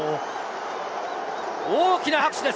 大きな拍手です。